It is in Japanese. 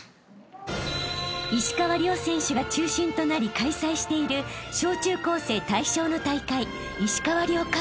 ［石川遼選手が中心となり開催している小中高生対象の大会］